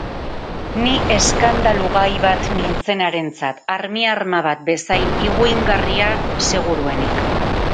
Ni eskandalu-gai bat nintzen harentzat, armiarma bat bezain higuingarria seguruenik.